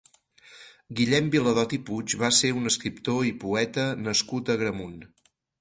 Guillem Viladot i Puig va ser un escriptor i poeta nascut a Agramunt.